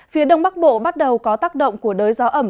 phía đông bắc bộ bắt đầu có tác động của đới gió ẩm